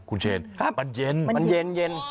คุณเชนมันเย็น